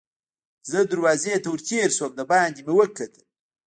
زه دروازې ته ور تېر شوم او دباندې مې وکتل.